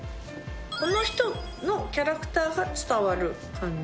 この人のキャラクターが伝わる感じ。